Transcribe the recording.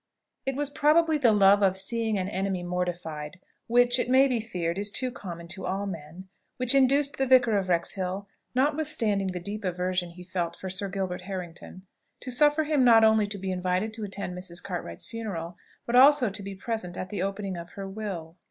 It was probably the love of seeing an enemy mortified, which, it may be feared, is too common to all men, which induced the Vicar of Wrexhill, notwithstanding the deep aversion he felt for Sir Gilbert Harrington, to suffer him not only to be invited to attend Mrs. Cartwright's funeral, but also to be present at the opening of her will.